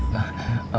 wah banyak pak